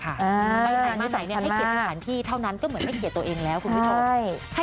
ไปไหนมาไหนให้เกียรติสถานที่เท่านั้นก็เหมือนให้เกียรติตัวเองแล้วคุณผู้ชม